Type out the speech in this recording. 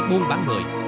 buôn bán người